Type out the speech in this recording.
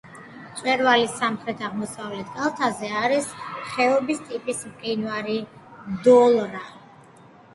მწვერვალის სამხრეთ-აღმოსავლეთ კალთაზე არის ხეობის ტიპის მყინვარი დოლრა.